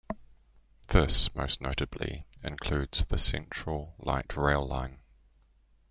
This, most notably, includes the Central Light Rail line.